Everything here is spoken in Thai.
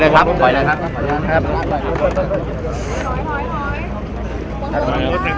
สวัสดีครับทุกคน